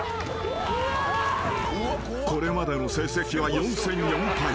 ［これまでの成績は４戦４敗。